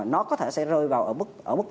nó có thể sẽ rơi vào ở mức